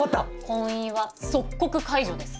婚姻は即刻解除です。